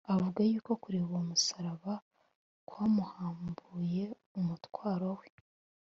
Avuga yuko kureba uwo musaraba kwamuhambuye umutwaro we